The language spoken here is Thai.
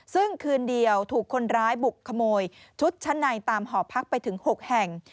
ซึ่งคืนเดียวถูกคนร้ายบุกขโมยชุดชั้นในตามหอพักไปถึง๖แห่ง